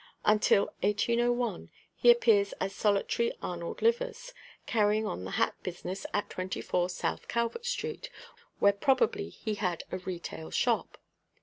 Until 1801 he appears as solitary Arnold Livers, carrying on the hat business at 24 South Calvert street, where probably he had a retail "shop."